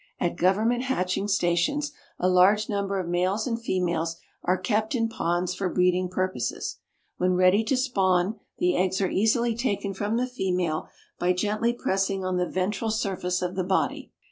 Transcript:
At government hatching stations a large number of males and females are kept in ponds for breeding purposes. When ready to spawn the eggs are easily taken from the female by gently pressing on the ventral surface of the body.